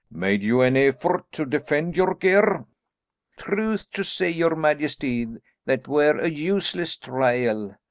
"Made you any effort to defend your gear?" "Truth to say, your majesty, that were a useless trial.